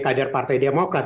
kadar partai demokrat